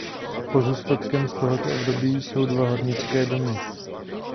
Pozůstatkem z tohoto období jsou dva hornické domy.